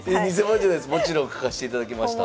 もちろん書かしていただきました。